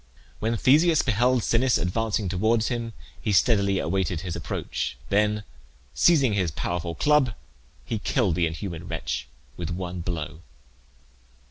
When Theseus beheld Sinnis advancing towards him he steadily awaited his approach; then seizing his powerful club, he killed the inhuman wretch with one blow.